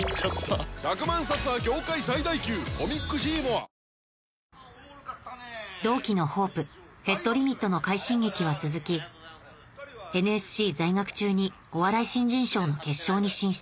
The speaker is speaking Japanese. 新「ＥＬＩＸＩＲ」同期のホープ・ヘッドリミットの快進撃は続きＮＳＣ在学中にお笑い新人賞の決勝に進出